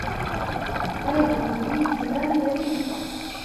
ایا د معدې جلن لرئ؟